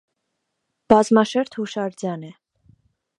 Բազմաշերտ հուշարձան է։